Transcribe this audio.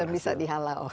dan bisa dihalau